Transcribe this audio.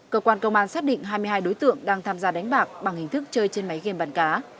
cơ quan công an xác định hai mươi hai đối tượng đang tham gia đánh bạc bằng hình thức chơi trên máy game bàn cá